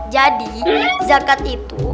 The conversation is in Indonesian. jadi zakat itu